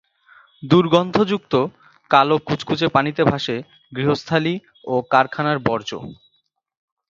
দুর্গন্ধযুক্ত কালো কুচকুচে পানিতে ভাসে গৃহস্থালি ও কারখানার বর্জ্য।